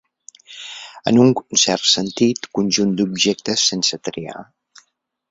En un cert sentit, conjunt d'objectes sense triar.